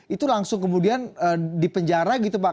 itu langsung kemudian dipenjara gitu pak